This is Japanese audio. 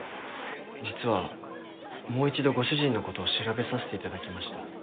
実はもう一度ご主人のことを調べさせていただきました。